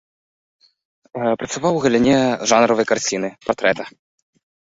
Працаваў у галіне жанравай карціны, партрэта.